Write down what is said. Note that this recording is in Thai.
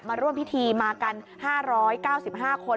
มาร่วมพิธีมากัน๕๙๕คน